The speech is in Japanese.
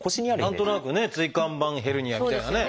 何となくね「椎間板ヘルニア」みたいなね